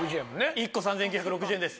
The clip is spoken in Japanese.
１個３９６０円です。